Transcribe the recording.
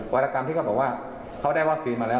รกรรมที่เขาบอกว่าเขาได้วัคซีนมาแล้ว